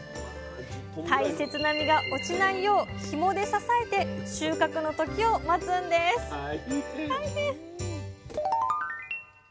大切な実が落ちないようひもで支えて収穫の時を待つんです大変。